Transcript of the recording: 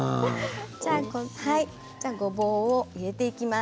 ごぼうを入れていきます。